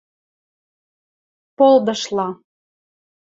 – Полдышла...